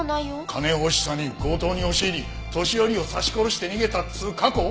金欲しさに強盗に押し入り年寄りを刺し殺して逃げたっつう過去。